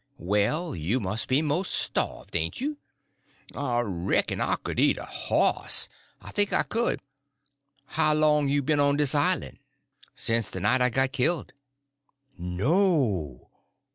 "Well, you must be most starved, ain't you?" "I reck'n I could eat a hoss. I think I could. How long you ben on de islan'?" "Since the night I got killed." "No!